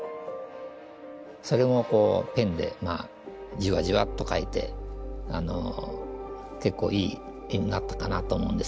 それもこうペンでじわじわっと描いて結構いい絵になったかなと思うんですけども。